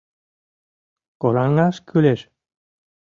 Кораҥаш кӱлеш.